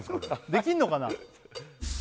できるのかな